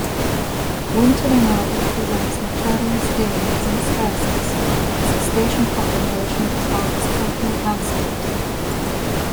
Wintering-over presents notorious dangers and stresses, as the station population is almost totally isolated.